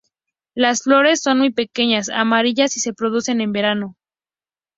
Las flores son muy pequeñas, amarillas y se producen en verano.